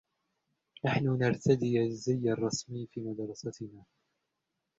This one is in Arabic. نحن ترتدي الزي الرسمي في مدرستنا.